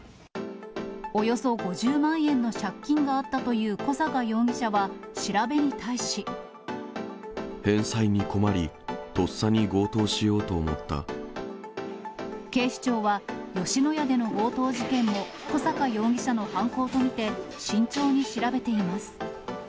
およそ５０万円の借金があったという小阪容疑者は、調べに対し。返済に困り、とっさに強盗し警視庁は、吉野家での強盗事件も小阪容疑者の犯行と見て、慎重に調べています。